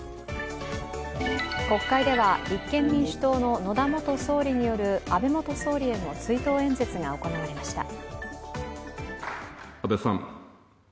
国会では立憲民主党の野田元総理による安倍元総理への追悼演説が行われました。